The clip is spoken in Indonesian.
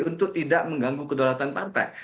untuk tidak mengganggu kedaulatan partai